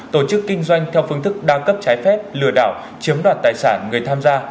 tổ chức kinh doanh theo phương thức đa cấp trái phép lừa đảo chiếm đoạt tài sản người tham gia